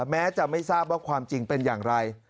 แม้จะไม่ทราบว่าความจริงเป็นอย่างไร